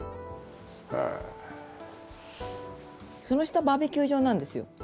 その下バーベキュー場なんですよ。